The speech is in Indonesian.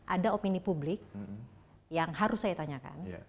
ada opini publik yang harus saya tanyakan